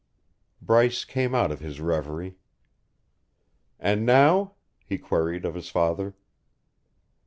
Bryce came out of his reverie. "And now?" he queried of his father.